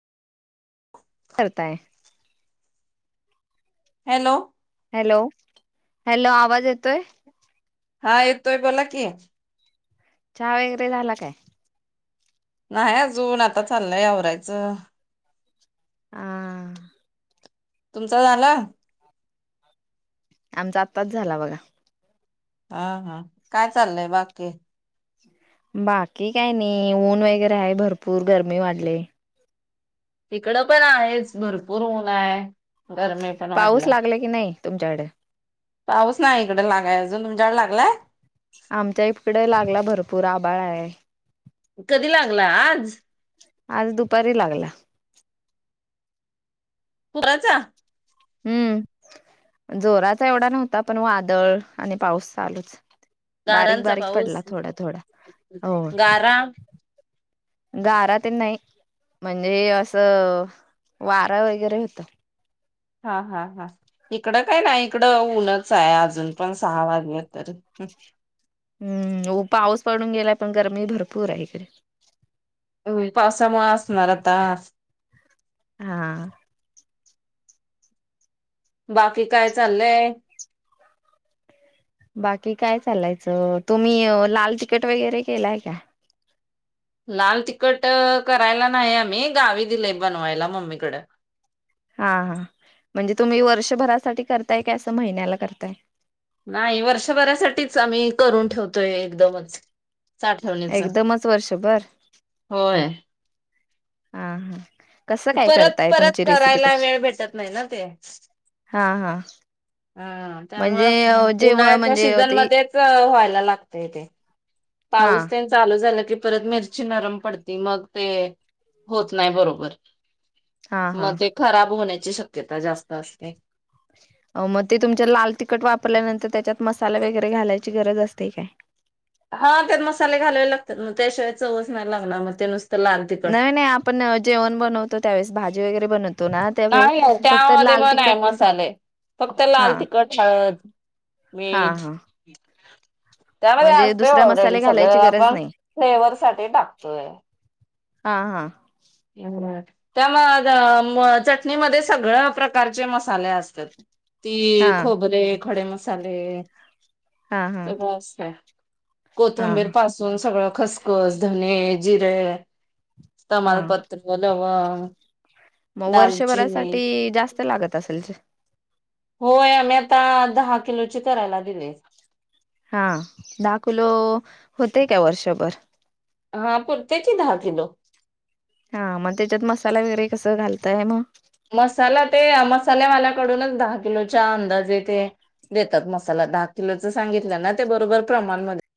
करताय. Hello! Hello, hello आवाज येतोय? हा येतोय बोला कि, चहा वगैरे झाला काय? नाही अजून आता चाललंय आवरायचं. हा तुमचा झाला का? आमचा आत्ताच झाला बघा. हा हा काय चाललंय बाकी बाकी काय नाही, ऊन वगैरे आहे भरपूर गरमी वाढली. इकडं पण आहेच भरपूर उन आहे. गरमी पण पाऊस वाढल्या. लागला की नाही तुमच्याकडे पाऊस नाही इकडे लागाय अजून, तुमच्याकडे लागलाय? आमच्या इकडे लागला भरपूर आभाळ आहे. कधी लागला आज. आज दुपारी लागला. पुराचा, हम्म जोराचा एवढा नव्हता पण वादळ आणि पाऊस चालूच बारीक गारांचा बारीक पाऊस पडला थोडा थोडा हो, गारा गारा ते नाही म्हणजे असं वारा वगैरे होता. हा हा हा इकडं काय नाही, इकडं उऊनच आहे अजून पण सहा वाजले तरी. हम्म अहो पाऊस पडून गेलाय पण गरमी भरपूर आहे इकडे होय पावसामुळे असणार आता असं हा बाकी काय चाललंय बाकी काय चालायचं तुम्ही लाल तिकीट वगैरे केलाय काय लाल तिखट करायला नाही आम्ही गावी दिलेय बनवायला मम्मीकडं हा हा म्हणजे तुम्ही वर्षभरासाठी करताय का असं महिन्याला करताय नाही वर्षभरासाठीच आम्ही करून ठेवतोय एकदमच साठवणीच. एकदमच वर्षभर होय हा हा कसं काय परत करताय परत तुमची रेसिपी करायला कशी वेळ भेटत नाही ना ते हा हा हा म्हणजे त्यामुंळं जेव उन्हाळ्याच्या म्हणजे सीझन ते मध्येच व्हायला लागतय ते हा पाऊस तेन चालू झाला की परत मिरची नरम पडती मग ते होत नाही बरोबर हा हा मग ते खराब होण्याची शक्यता जास्त असते हो मग ते तुमच्या लाल तिखट वापरल्यानंतर त्याच्यात मसाले वगैरे घालायची गरज असते काय हा त्यात मसाले घालावे लागतात मग त्याशिवाय चवच नाहीय लागला मग ते नुसतं लाल तिखट. नाही नाही आपण जेवण बनवतो त्यावेळेस भाजी वगैरे बनवतो ना त्यावेळी नाही फक्त त्यामध्ये लाल मग नाही तिकट मसाले फक्त हा लाल तिखट हा हा ह [unintelligible] त्यामध्ये म्हणजे असतय दुसरा मसाले ऑलरेडी घालायची सगळं गरज आपण नाही फ्लेवर साठी टाकतोय हा हा एवढं त्या मग म चटणीमध्ये सगळ्या प्रकारचे मसाले असतात हा ती खोबरे खडे मसाले हा हा सगळं असतय हा कोथंबीर पासून सगळं खसखस, धने, जिरे, हा तमालपत्र लवंग मग दालचिनी वर्षभरासाठी जास्त लागत असेल च होय आम्ही आता दहा किलोची करायला दिले हा दहा किलो होतेय का वर्षभर हा पुरत्या की दहा किलो हा मग त्याच्यात मसाला वगैरे कसं घालताय मग मसाला ते मसाल्यावाल्याकडूनच दहा किलोच्या अंदाजे ते देतात मसाला दहा किलोचं सांगितलं ना ते बरोबर प्रमाणमध्ये